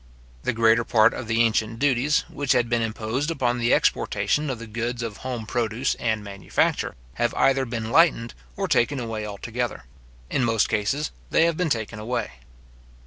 The greater part of the ancient duties which had been imposed upon the exportation of the goods of home produce and manufacture, have either been lightened or taken away altogether. In most cases, they have been taken away.